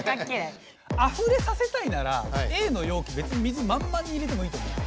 あふれさせたいならＡのようきべつに水まんまんに入れてもいいと思う。